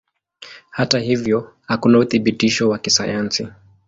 Hata hivyo hakuna uthibitisho wa kisayansi.